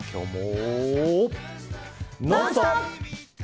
「ノンストップ！」。